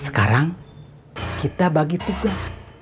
sekarang kita bagi tugas